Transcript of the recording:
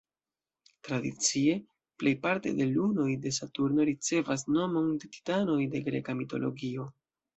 Tradicie, plejparte de lunoj de Saturno ricevas nomon de titanoj de greka mitologio.